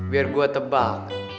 biar gue tebak